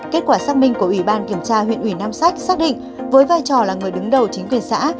kết quả xác minh của ủy ban kiểm tra huyện ủy nam sách xác định với vai trò là người đứng đầu chính quyền xã